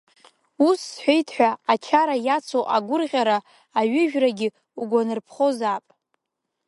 Ус сҳәеит ҳәа, ачара иацу агәырӷьара аҩыжәрагьы угәанарԥхозаап!